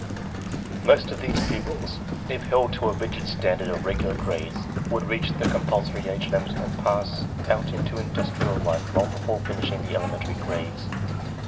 Most of these pupils, if held to a rigid standard of regular grades, would reach the compulsory age limit and pass out into indus trial life long before finishing the elementary grades.